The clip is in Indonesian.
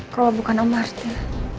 kalau bukan om martin